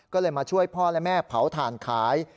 ก็เลยมาช่วยพ่อและแม่เผาถ่านขาย